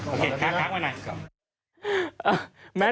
โอเคข้างมาหน่อย